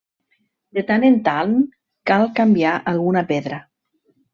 De tant en tant cal canviar alguna pedra.